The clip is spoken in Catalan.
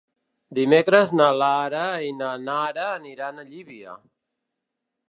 Dimecres na Lara i na Nara aniran a Llívia.